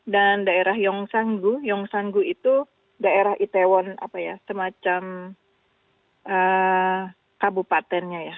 dan daerah yongsan gu yongsan gu itu daerah itaewon apa ya semacam kabupatennya ya